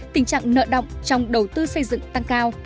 tình trạng nợ động trong đầu tư xây dựng tăng cao